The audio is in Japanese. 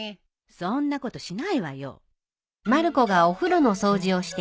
そんなことしないわよ。